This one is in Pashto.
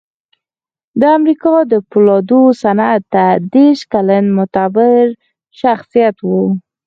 د امریکا د پولادو صنعت اته دېرش کلن معتبر شخصیت و